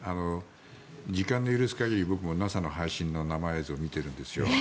時間の許す限りＮＡＳＡの配信の生映像を見ているんですよ。